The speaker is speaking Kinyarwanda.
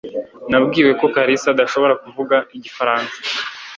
Nabwiwe ko Kalisa adashobora kuvuga igifaransa